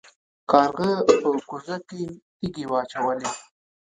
کارغه په کوزه کې تیږې واچولې.